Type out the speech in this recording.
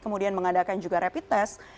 kemudian mengadakan juga rapid test